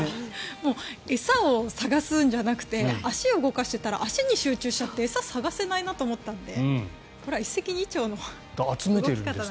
もう餌を探すんじゃなくて足を動かしていたら足に集中しちゃって餌を探せないなと思ったんでこれは一石二鳥の動き方なんですね。